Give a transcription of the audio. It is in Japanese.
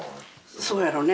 そうやろね。